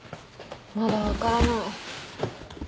まだ分からない。